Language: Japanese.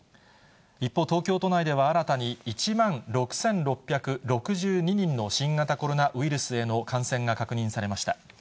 一方、東京都内では新たに１万６６６２人の新型コロナウイルスへの感染が確認されました。